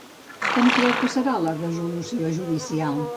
Com creu que serà la resolució judicial?